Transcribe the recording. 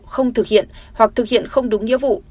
không thực hiện hoặc thực hiện không đúng nghĩa vụ